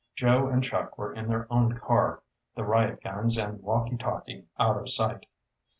Joe and Chuck were in their own car, the riot guns and walkie talkie out of sight.